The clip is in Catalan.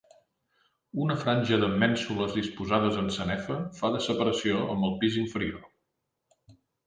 Una franja de mènsules disposades en sanefa fa de separació amb el pis inferior.